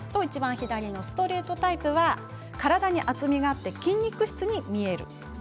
ストレートタイプは体に厚みがあって筋肉質に見えます。